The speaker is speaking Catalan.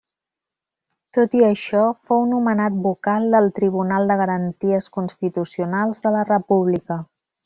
Tot i això, fou nomenat vocal del Tribunal de Garanties Constitucionals de la República.